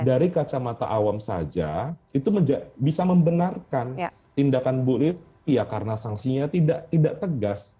dari kacamata awam saja itu bisa membenarkan tindakan bu lili ya karena sanksinya tidak tegas